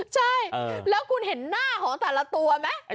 ใช่แล้วคุณเห็นหน้าของแต่ละตัวไหม